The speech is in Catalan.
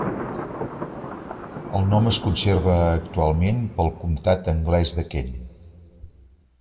El nom es conserva actualment pel comtat anglès de Kent.